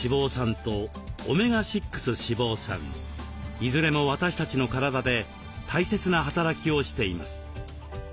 いずれも私たちの体で大切な働きをしています。